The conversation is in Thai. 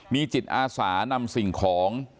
มีจิตอาสานำสิ่งของ